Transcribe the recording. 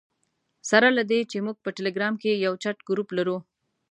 سره له دې چې موږ په ټلګرام کې یو چټ ګروپ لرو.